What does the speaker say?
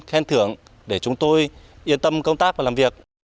khen thưởng để chúng tôi yên tâm công tác và làm việc